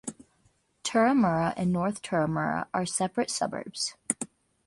Turramurra and North Turramurra are separate suburbs.